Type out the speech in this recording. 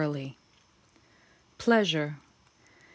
PLEASURE.